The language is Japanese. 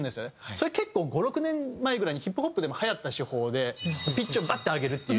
それ結構５６年前ぐらいにＨＩＰＨＯＰでもはやった手法でピッチをバッて上げるっていう。